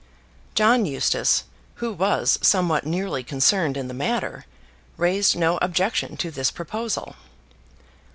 John Eustace, who was somewhat nearly concerned in the matter, raised no objection to this proposal.